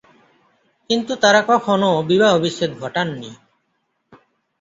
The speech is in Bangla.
কিন্তু তারা কখনো বিবাহ-বিচ্ছেদ ঘটাননি।